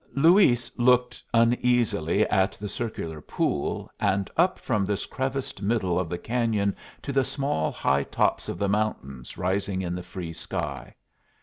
Luis looked uneasily at the circular pool, and up from this creviced middle of the cañon to the small high tops of the mountains rising in the free sky.